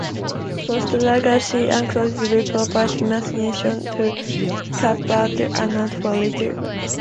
Most larger sea anchors will provide a mechanism to collapse the anchor for retrieval.